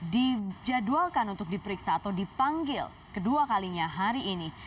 dijadwalkan untuk diperiksa atau dipanggil kedua kalinya hari ini